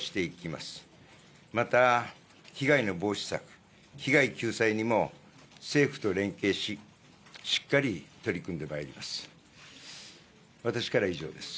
また、被害の防止策、被害救済にも政府と連携し、しっかり取り組んでまいります。